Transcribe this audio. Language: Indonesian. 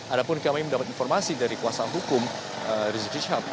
ada pun kami mendapat informasi dari kuasa hukum rizik sihab